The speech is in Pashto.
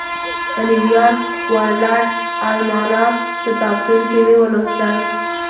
په نیویارک ورلډ الماناک کتابتون کې مې ولوستل.